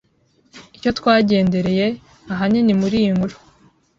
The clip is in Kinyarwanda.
Icyo twagendereye ahanini muri iyi nkuru